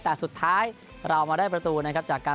แต่สุดท้ายเรามาได้ประตูนะครับจากการ